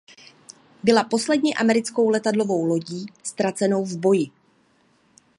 Byla poslední americkou letadlovou lodí ztracenou v boji.